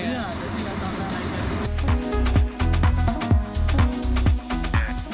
iya jadi harus setara